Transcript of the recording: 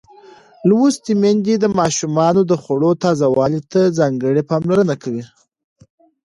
لوستې میندې د ماشومانو د خوړو تازه والي ته ځانګړې پاملرنه کوي.